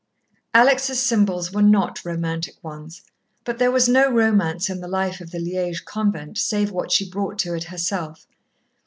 "_ Alex' symbols were not romantic ones, but there was no romance in the life of the Liège convent, save what she brought to it herself.